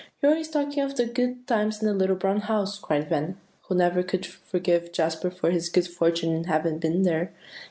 "You're always talking of the good times in The Little Brown House," cried Van, who never could forgive Jasper for his good fortune in having been there.